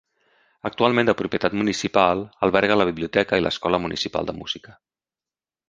Actualment de propietat municipal, alberga la Biblioteca i l'Escola Municipal de Música.